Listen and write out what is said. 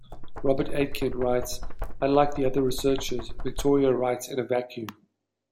Robert Aitken writes, Unlike the other researchers, Victoria writes in a vacuum.